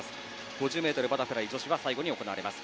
５０ｍバタフライ女子は最後に行われます。